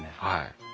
はい。